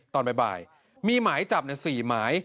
ตอนบ่ายมีหมายจับใน๔หมาย